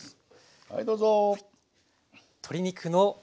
はいどうぞ。